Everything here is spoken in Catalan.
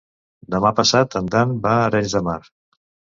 Demà passat en Dan va a Arenys de Mar.